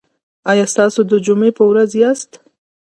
ایا تاسو د جمعې په ورځ یاست؟